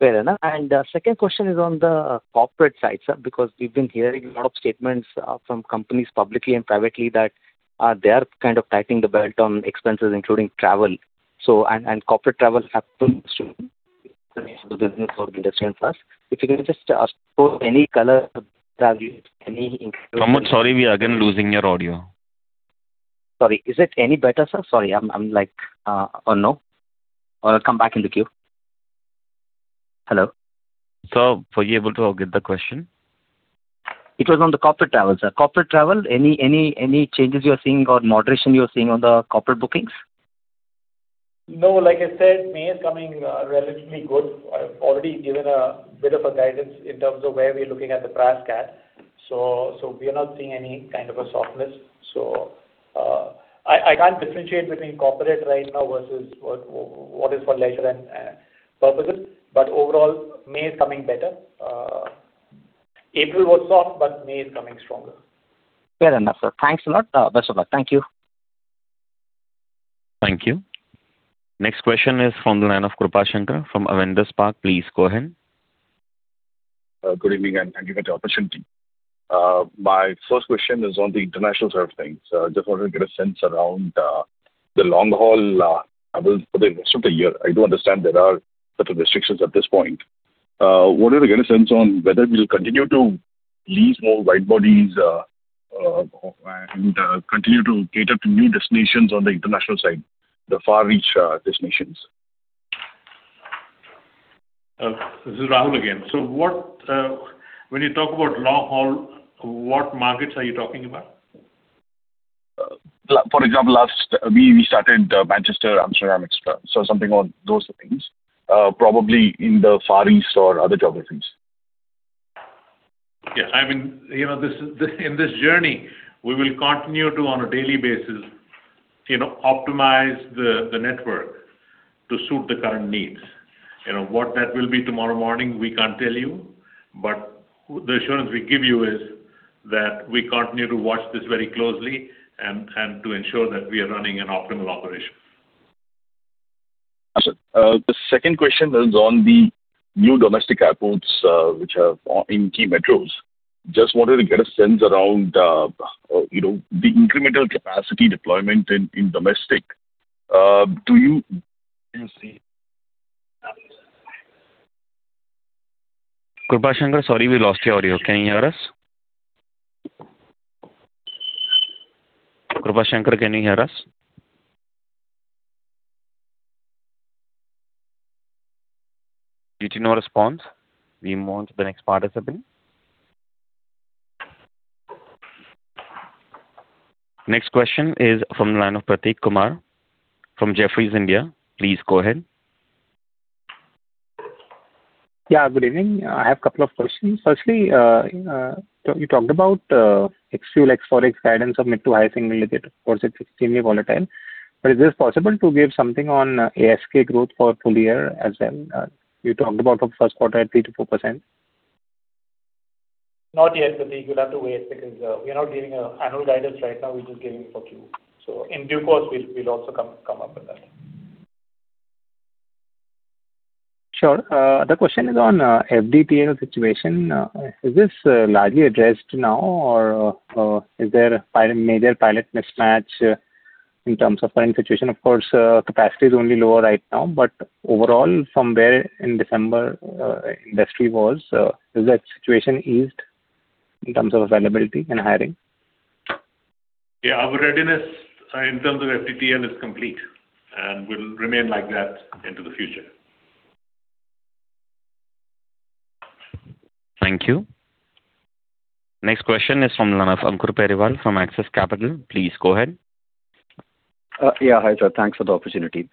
Fair enough. Second question is on the corporate side, sir, because we've been hearing a lot of statements from companies publicly and privately that they are kind of tightening the belt on expenses, including travel. Corporate travel happens to be the business for the Insignia Pass. If you can just ask for any color that you-- Any- Pramod, sorry, we are again losing your audio. Sorry. Is it any better, sir? Sorry, I'm like No? come back in the queue. Hello. Sir, were you able to get the question? It was on the corporate travel, sir. Corporate travel, any changes you are seeing or moderation you are seeing on the corporate bookings? No, like I said, May is coming relatively good. I've already given a bit of a guidance in terms of where we're looking at the PRASK. We are not seeing any kind of a softness. I can't differentiate between corporate right now versus what is for leisure purposes. Overall, May is coming better. April was soft, but May is coming stronger. Fair enough, sir. Thanks a lot. Best of luck. Thank you. Thank you. Next question is from the line of Krupashankar from Avendus Spark. Please go ahead. Good evening, and thank you for the opportunity. My first question is on the international side of things. Just wanted to get a sense around the long-haul travel for the rest of the year. I do understand there are certain restrictions at this point. Wanted to get a sense on whether we'll continue to lease more wide-bodies, and continue to cater to new destinations on the international side, the far-reach destinations. This is Rahul again. When you talk about long haul, what markets are you talking about? For example, we started Manchester, Amsterdam, et cetera. something on those things probably in the Far East or other geographies. Yeah. In this journey, we will continue to, on a daily basis, optimize the network to suit the current needs. What that will be tomorrow morning, we can't tell you, but the assurance we give you is that we continue to watch this very closely and to ensure that we are running an optimal operation. The second question is on the new domestic airports, which are in key metros. Just wanted to get a sense around the incremental capacity deployment in domestic. Do you see- Krupashankar, sorry, we lost your audio. Can you hear us? Krupashankar, can you hear us? Due to no response, we move on to the next participant. Next question is from the line of Prateek Kumar from Jefferies India. Please go ahead. Yeah, good evening. I have a couple of questions. Firstly, you talked about ex-fuel, ex-Forex guidance of mid to high single digit. Of course, it's extremely volatile, but is this possible to give something on ASK growth for full year as well? You talked about for first quarter at 3%-4%. Not yet, Prateek. You'll have to wait because we're not giving annual guidance right now. We're just giving for Q. In due course, we'll also come up with that. Sure. The question is on FDTL situation. Is this largely addressed now, or is there a major pilot mismatch. In terms of current situation, of course, capacity is only lower right now, but overall, from where in December industry was, has that situation eased in terms of availability and hiring? Yeah. Our readiness in terms of FDTL is complete and will remain like that into the future. Thank you. Next question is from the line of Ankur Periwal from Axis Capital. Please go ahead. Yeah. Hi, sir. Thanks for the opportunity.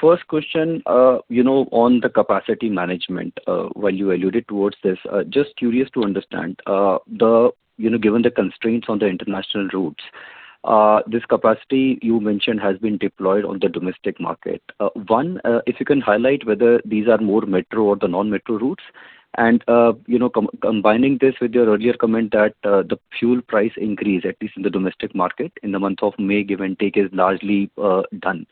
First question on the capacity management while you alluded towards this. Just curious to understand, given the constraints on the international routes, this capacity you mentioned has been deployed on the domestic market. One, if you can highlight whether these are more metro or the non-metro routes and, combining this with your earlier comment that the fuel price increase, at least in the domestic market in the month of May, give and take, is largely done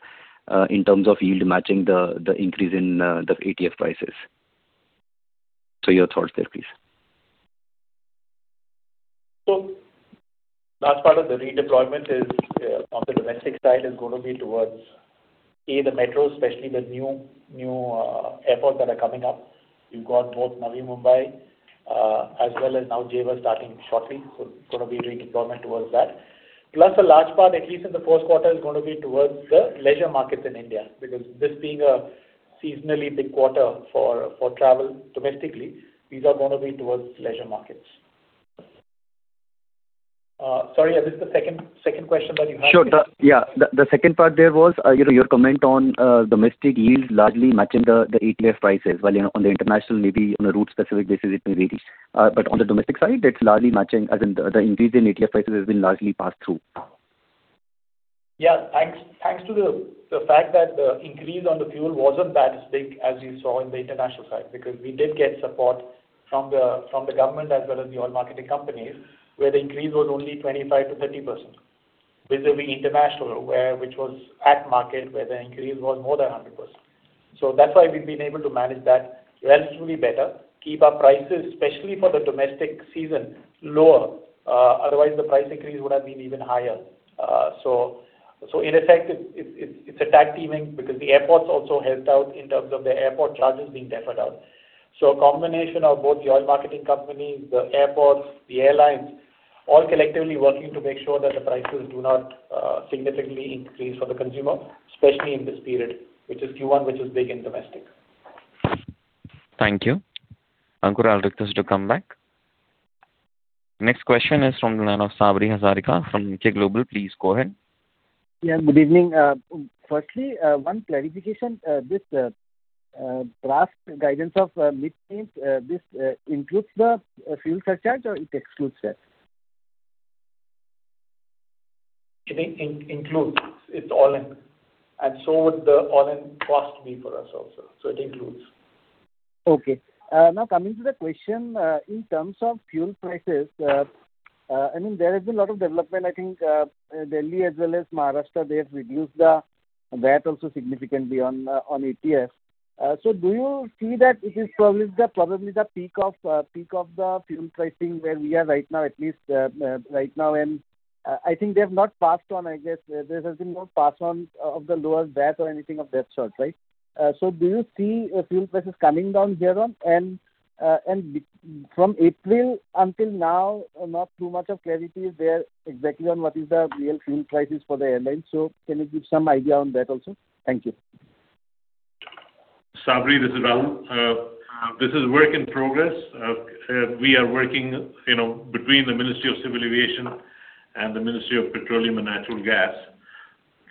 in terms of yield matching the increase in the ATF prices. Your thoughts there, please. last part of the redeployment on the domestic side is going to be towards, A, the metro, especially the new airports that are coming up. You've got both Navi Mumbai as well as now Jewar starting shortly. going to be redeployment towards that. Plus a large part, at least in the first quarter, is going to be towards the leisure markets in India, because this being a seasonally big quarter for travel domestically, these are going to be towards leisure markets. Sorry, is this the second question that you had? Sure. Yeah. The second part there was your comment on domestic yields largely matching the ATF prices. While on the international, maybe on a route-specific basis, it may vary. On the domestic side, it's largely matching, as in the increase in ATF prices has been largely passed through. Yeah. Thanks to the fact that the increase on the fuel wasn't that big as you saw in the international side, because we did get support from the government as well as the oil marketing companies, where the increase was only 25%-30%, vis-à-vis international, which was at market, where the increase was more than 100%. That's why we've been able to manage that relatively better, keep our prices, especially for the domestic season, lower. Otherwise, the price increase would have been even higher. In effect, it's a tag teaming because the airports also helped out in terms of the airport charges being deferred out. A combination of both the oil marketing companies, the airports, the airlines, all collectively working to make sure that the prices do not significantly increase for the consumer, especially in this period, which is Q1, which is big in domestic. Thank you. Ankur, I'll request you to come back. Next question is from the line of Sabri Hazarika from Emkay Global. Please go ahead. Yeah. Good evening. Firstly, one clarification, this draft guidance of mid-teens, this includes the fuel surcharge, or it excludes that? It includes. It's all in. would the all-in cost be for us also. it includes. Okay. Now coming to the question, in terms of fuel prices, there has been a lot of development. I think Delhi as well as Maharashtra, they have reduced the VAT also significantly on ATF. Do you see that it is probably the peak of the fuel pricing where we are right now? I think they have not passed on, I guess. There has been no pass on of the lower VAT or anything of that sort, right? Do you see fuel prices coming down here on? From April until now, not too much of clarity is there exactly on what is the real fuel prices for the airlines. Can you give some idea on that also? Thank you. Sabri, this is Rahul. This is work in progress. We are working between the Ministry of Civil Aviation and the Ministry of Petroleum and Natural Gas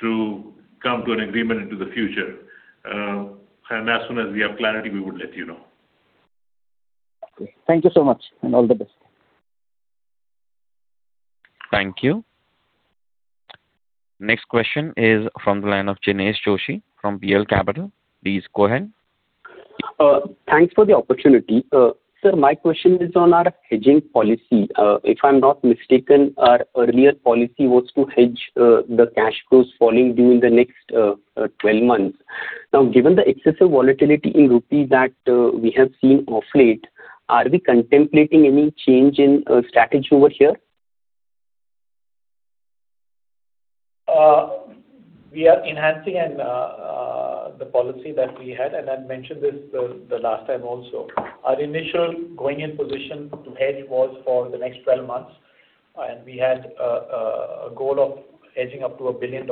to come to an agreement into the future. As soon as we have clarity, we would let you know. Okay. Thank you so much, and all the best. Thank you. Next question is from the line of Jinesh Joshi from PL Capital. Please go ahead. Thanks for the opportunity. Sir, my question is on our hedging policy. If I'm not mistaken, our earlier policy was to hedge the cash flows falling due in the next 12 months. Now, given the excessive volatility in rupee that we have seen of late, are we contemplating any change in strategy over here? We are enhancing the policy that we had, and I mentioned this the last time also. Our initial going-in position to hedge was for the next 12 months, and we had a goal of hedging up to $1 billion.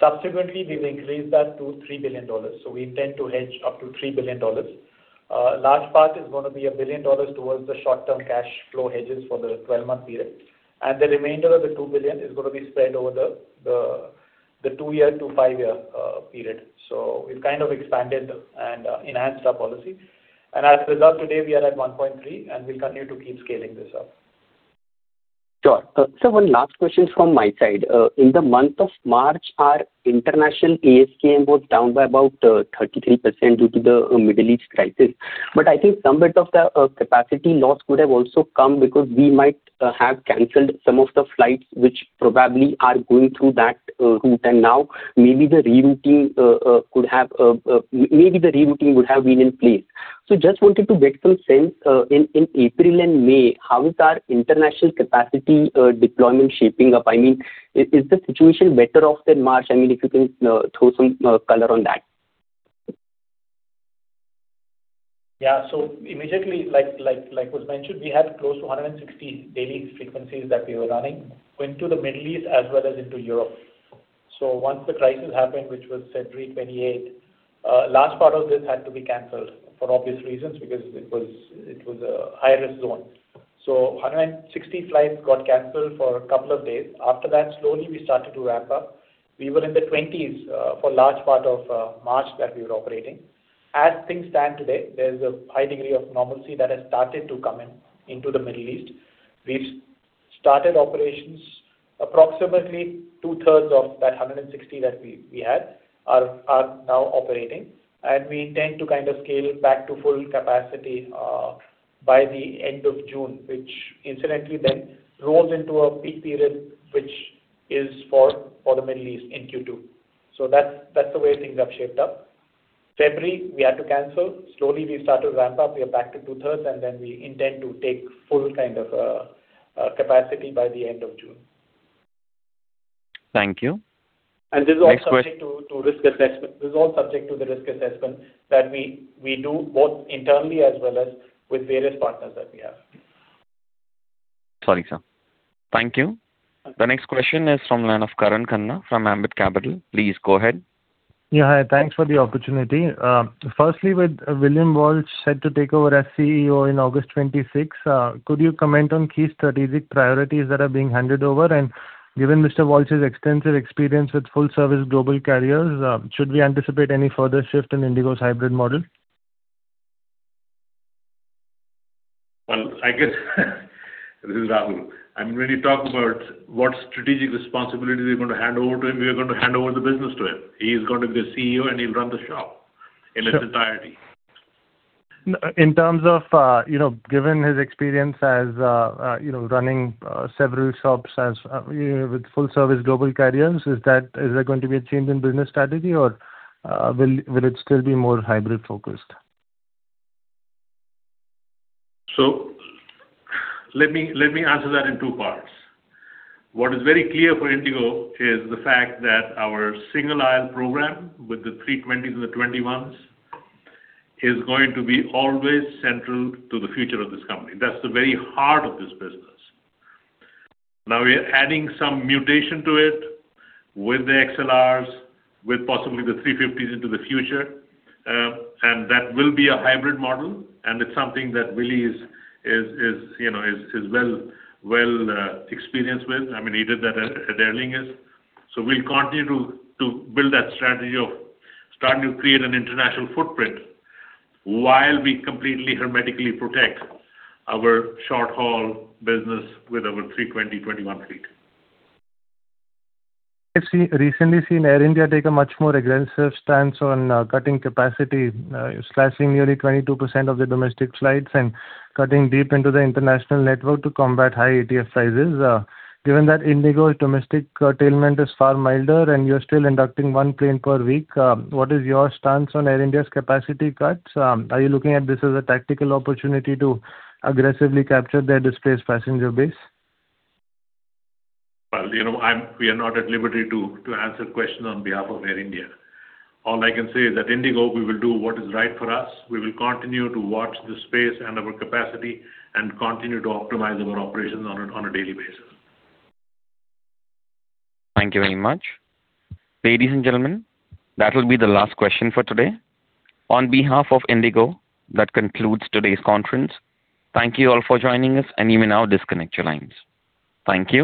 Subsequently, we've increased that to $3 billion. We intend to hedge up to $3 billion. Last part is going to be $1 billion towards the short-term cash flow hedges for the 12-month period. The remainder of the $2 billion is going to be spread over the two-year to five-year period. We've kind of expanded and enhanced our policy. As a result, today, we are at 1.3, and we'll continue to keep scaling this up. Sure. Sir, one last question from my side. In the month of March, our international ASKM was down by about 33% due to the Middle East crisis. I think some bit of the capacity loss could have also come because we might have canceled some of the flights which probably are going through that route. Now maybe the rerouting would have been in place. Just wanted to get some sense, in April and May, how is our international capacity deployment shaping up? Is the situation better off than March? If you can throw some color on that. Yeah. Immediately, like was mentioned, we had close to 160 daily frequencies that we were running into the Middle East as well as into Europe. Once the crisis happened, which was February 28th, last part of this had to be canceled for obvious reasons because it was a high-risk zone. 160 flights got canceled for a couple of days. After that, slowly we started to ramp up. We were in the 20s for large part of March that we were operating. As things stand today, there's a high degree of normalcy that has started to come in into the Middle East. We've started operations, approximately two-thirds of that 160 that we had are now operating, and we intend to scale back to full capacity by the end of June, which incidentally then rolls into a peak period, which is for the Middle East in Q2. That's the way things have shaped up. February, we had to cancel. Slowly we started to ramp up. We are back to two-thirds, and then we intend to take full capacity by the end of June. Thank you. Next question- This is all subject to the risk assessment that we do both internally as well as with various partners that we have. Sorry, sir. Thank you. The next question is from line of Karan Khanna from Ambit Capital. Please go ahead. Yeah, hi. Thanks for the opportunity. Firstly, with William Walsh set to take over as CEO in August 2026, could you comment on key strategic priorities that are being handed over? Given Mr. Walsh's extensive experience with full-service global carriers, should we anticipate any further shift in IndiGo's hybrid model? Well, I guess this is Rahul. When you talk about what strategic responsibilities we're going to hand over to him, we are going to hand over the business to him. He's going to be the CEO, and he'll run the shop in its entirety. In terms of given his experience as running several shops with full-service global carriers, is there going to be a change in business strategy, or will it still be more hybrid-focused? Let me answer that in two parts. What is very clear for IndiGo is the fact that our single-aisle program with the A320s and the 21s is going to be always central to the future of this company. That's the very heart of this business. Now we're adding some mutation to it with the XLRs, with possibly the A350s into the future, and that will be a hybrid model, and it's something that Willie is well-experienced with. He did that at Aer Lingus. We'll continue to build that strategy of starting to create an international footprint while we completely hermetically protect our short-haul business with our A320, 21 fleet. We've recently seen Air India take a much more aggressive stance on cutting capacity, slashing nearly 22% of their domestic flights and cutting deep into the international network to combat high ATF prices. Given that IndiGo's domestic curtailment is far milder and you're still inducting one plane per week, what is your stance on Air India's capacity cuts? Are you looking at this as a tactical opportunity to aggressively capture their displaced passenger base? Well, we are not at liberty to answer questions on behalf of Air India. All I can say is that IndiGo, we will do what is right for us. We will continue to watch the space and our capacity and continue to optimize our operations on a daily basis. Thank you very much. Ladies and gentlemen, that will be the last question for today. On behalf of IndiGo, that concludes today's conference. Thank you all for joining us, and you may now disconnect your lines. Thank you.